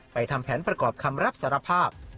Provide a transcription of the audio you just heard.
ทำแผนประกอบคำรับสารภาพ